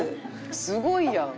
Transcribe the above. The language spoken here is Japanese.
すごいやん！